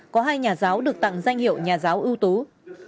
có hai nhà giáo được tặng danh hiệu nhà giáo ưu tú